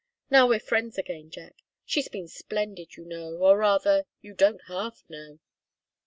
Now we're friends again, Jack; she's been splendid, you know, or rather, you don't half know!"